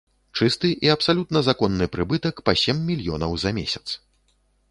Чысты і абсалютна законны прыбытак па сем мільёнаў за месяц.